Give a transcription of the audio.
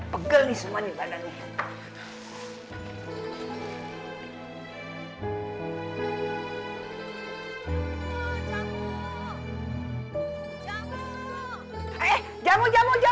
pegel nih semua badan lo